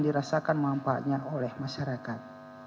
dirasakan manfaatnya oleh masyarakat